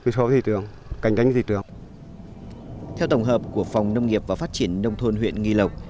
theo tổng hợp của phòng nông nghiệp và phát triển nông thôn huyện nghi lộc